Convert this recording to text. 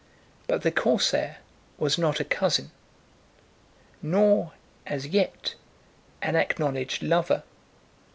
But the Corsair was not a cousin, nor as yet an acknowledged lover.